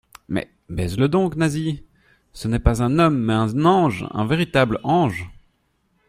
Mais, baise-le donc, Nasie ? ce n'est pas un homme, mais un ange, un véritable ange.